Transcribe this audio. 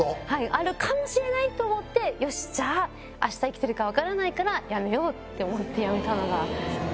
あるかもしれないと思ってよしじゃああした生きてるか分からないから辞めようって思って辞めたのが。